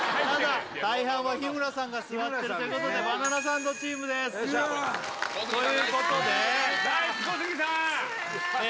大半は日村さんが座ってるということでバナナサンドチームですということでナイス小杉さんええ